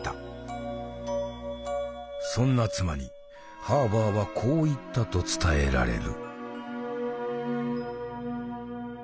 そんな妻にハーバーはこう言ったと伝えられる。